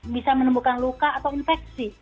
bisa menemukan luka atau infeksi